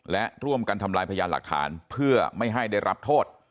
และร่วมกันทำลายพยานหลักฐานเพื่อไม่ให้ได้รับโทษ